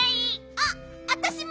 あっわたしも！